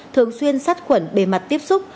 thường xuyên sát khuẩn bề mặt tiếp xúc